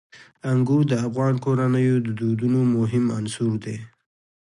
انګور د افغان کورنیو د دودونو مهم عنصر دی.